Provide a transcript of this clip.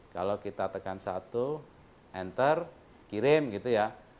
kalau kita tekan satu enter kirim gitu ya